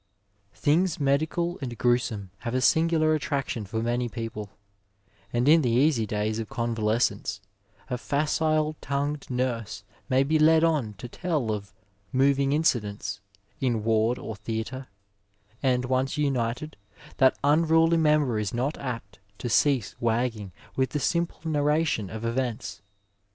Things medical and gruesome have a singular attraction for many people, and in the easy days of convalescence a facile tongued nurse may be led on to tell of *' moving incidents" in ward or theatre, and once untied, that unruly member is not apt to cease wagging with the simple narration of events.